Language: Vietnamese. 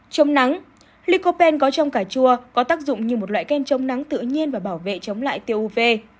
trong nắng licopen có trong cà chua có tác dụng như một loại kem chống nắng tự nhiên và bảo vệ chống lại tiêu uv